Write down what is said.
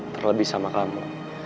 terlebih sama kamu